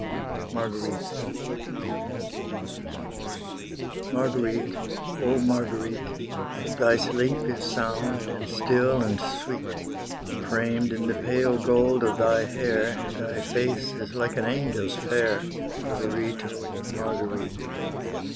MARGUERITE Marguerite, oh Marguerite! Thy sleep is sound, and still and sweet, Framed in the pale gold of thy hair, Thy face is like an angel's fair, Marguerite, oh Marguerite!